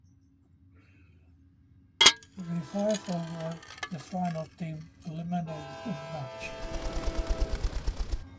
The Revival were the final team eliminated in the match.